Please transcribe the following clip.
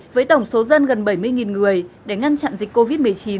với tổng số dân gần bảy mươi người để ngăn chặn dịch covid một mươi chín